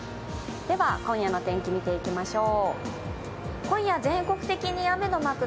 今夜の天気見ていきましょう。